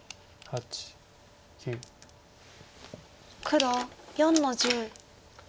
黒４の十。